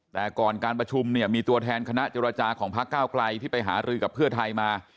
แต่ก่อนการประชุมเนี่ยมีตัวแทนคณะเจรจาของพักเก้าไกลที่ไปหารือกับเพื่อไทยมา